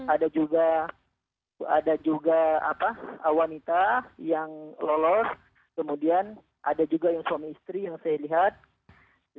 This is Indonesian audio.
ada juga ada juga wanita yang lolos kemudian ada juga yang suami istri yang saya lihat